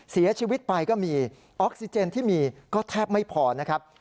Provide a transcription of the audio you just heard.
เสียชีวิตไปก็มีออกซิเจนที่มีก็แทบไม่พอนะครับ